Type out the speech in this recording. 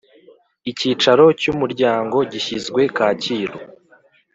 Icyicaro cy umuryango gishyizwe Kacyiru